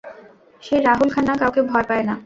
হেই, রাহুল খান্না কাউকে ভয় পায় না।